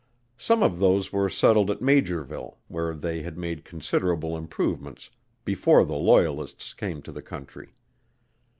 Some of those were settled at Maugerville where they had made considerable improvements before the loyalists came to the country.